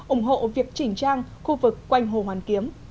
ủng hộ việc chỉnh trang khu vực quanh hồ hoàn kiếm